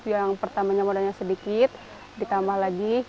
yang pertamanya modalnya sedikit ditambah lagi